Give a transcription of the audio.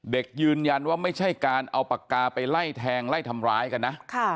ยืนยันว่าไม่ใช่การเอาปากกาไปไล่แทงไล่ทำร้ายกันนะ